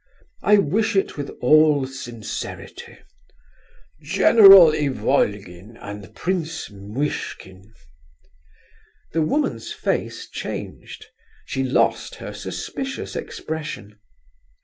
I wish it with all sincerity. General Ivolgin and Prince Muishkin!" The woman's face changed; she lost her suspicious expression.